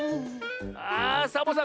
あっサボさん